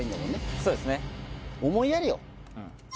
そうですねおもいやりよ